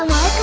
tidak ada apa